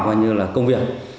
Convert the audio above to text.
coi như là công việc